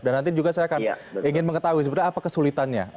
dan nanti juga saya ingin mengetahui sebenarnya apa kesulitannya